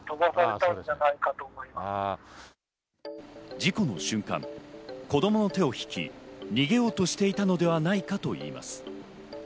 事故の瞬間、子供の手を引き、逃げようとしていたのではないかといいます。